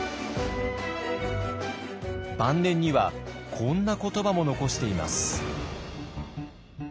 晩年にはこんな言葉も残しています。